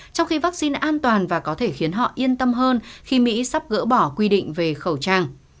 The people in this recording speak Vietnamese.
trong khi vaccine an toàn và có thể khiến họ yên tâm hơn khi mỹ sắp gỡ bỏ quy định về khẩu trang